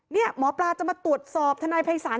นี่หมอปลาจะมาตรวจสอบทนายภัยศาล